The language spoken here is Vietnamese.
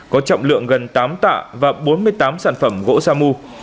có trọng lượng gần tám tạ và bốn mươi tám sản phẩm gỗ sa mu